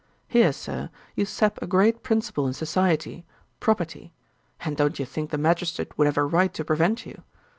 Here, Sir, you sap a great principle in society, property. And don't you think the magistrate would have a right to prevent you?